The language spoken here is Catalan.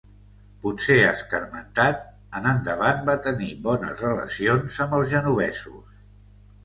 Potser escarmentat, en endavant va tenir bones relacions amb els genovesos.